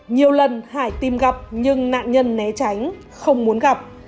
nhiều lần hải tìm gặp nhưng nạn nhân né tránh không muốn gặp